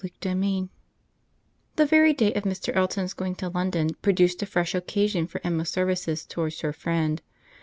CHAPTER VII The very day of Mr. Elton's going to London produced a fresh occasion for Emma's services towards her friend.